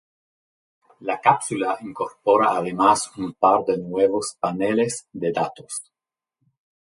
La cápsula incorpora además un par de nuevos paneles de datos.